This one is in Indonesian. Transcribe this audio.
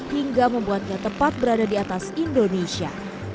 hingga membuatnya tepat berada di atas indonesia